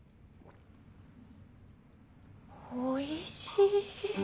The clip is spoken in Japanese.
おいしい！